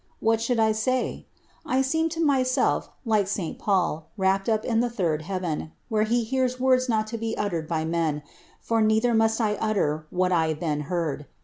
What shotild I say ? I seemed to myself like St. Paul, rapt up to the third heaven, where he heard words not to be uttered ij men, for neither must I utter what I then heard.